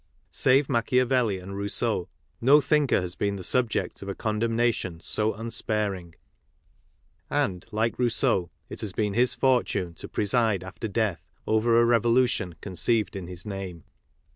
Save Machiavelli and Rousseau, no thinker has been the subject of a condemnation so unsparing, and, like Rousseau, it has been his fortune to preside after death over a revolution conceived in his name.